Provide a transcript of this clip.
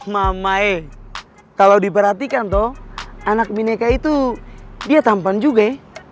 mama eh kalo diperhatikan toh anak mineka itu dia tampan juga ya